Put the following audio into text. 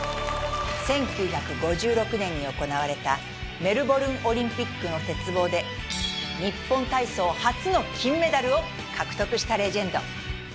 １９５６年に行われたメルボルンオリンピックの鉄棒で日本体操初の金メダルを獲得したレジェンド